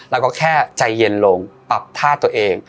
เราก็แค่ใจเย็นลงปรับธาตุตัวเอง